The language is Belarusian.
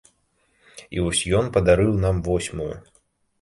І вось ён падарыў нам восьмую.